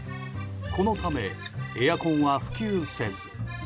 このためエアコンは普及せず。